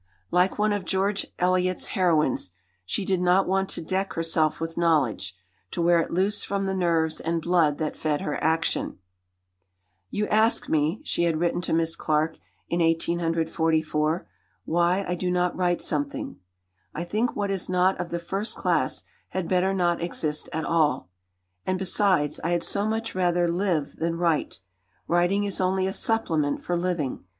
Like one of George Eliot's heroines, "she did not want to deck herself with knowledge to wear it loose from the nerves and blood that fed her action." "You ask me," she had written to Miss Clarke in 1844, "why I do not write something. I think what is not of the first class had better not exist at all; and besides I had so much rather live than write; writing is only a supplement for living.